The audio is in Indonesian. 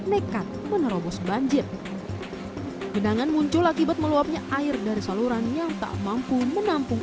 nekat menerobos banjir genangan muncul akibat meluapnya air dari saluran yang tak mampu menampung